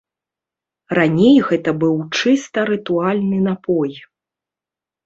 Раней гэта быў чыста рытуальны напой.